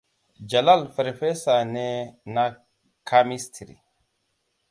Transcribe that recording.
Jalal farfesa ne na kamistri.